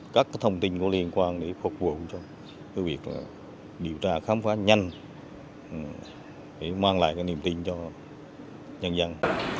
các thông tin có liên quan để phục vụ cho việc điều tra khám phá nhanh để mang lại niềm tin cho nhân dân